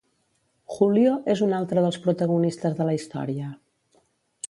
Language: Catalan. Julio és un altre dels protagonistes de la història.